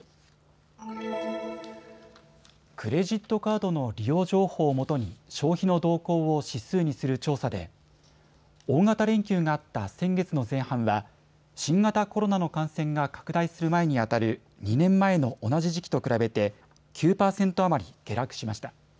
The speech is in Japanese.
クレジットカードの利用情報をもとに消費の動向を指数にする調査で大型連休があった先月の前半は新型コロナの感染が拡大する前にあたる２年前の同じ時期と比べて９％余り下落しました。